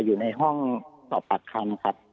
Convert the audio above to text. อยู่ในห้องสอบปากคำครับ